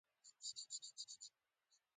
دولت خلک په زور د پنبې کښت ته اړ ایستل.